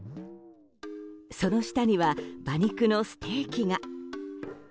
その下には馬肉のステーキが。